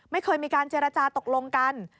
ไม่เคยมีการเจรจาตกลงกัน